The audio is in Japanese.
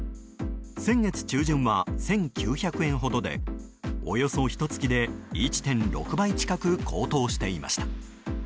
先月中旬は１９００円ほどでおよそひと月で１．６倍近く高騰していました。